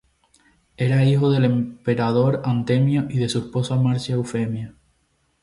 Era hijo del emperador Antemio y de su esposa Marcia Eufemia.